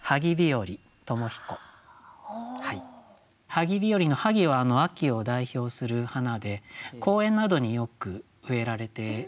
「萩日和」の「萩」は秋を代表する花で公園などによく植えられています。